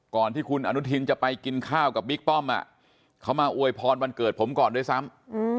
ก่อนที่คุณอนุทินจะไปกินข้าวกับบิ๊กป้อมเขามาอวยพรวันเกิดผมก่อนด้วยซ้ำ